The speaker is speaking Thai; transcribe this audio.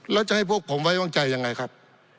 แล้วจะให้พวกผมไว้วางใจยังไงครับ